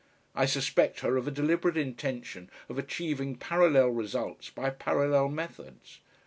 I suspect her of a deliberate intention of achieving parallel results by parallel methods.